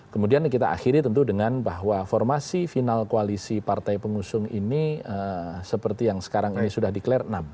kemudian kita akhiri tentu dengan bahwa formasi final koalisi partai pengusung ini seperti yang sekarang ini sudah declare enam